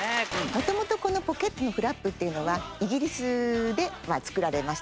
元々このポケットのフラップっていうのはイギリスで作られました。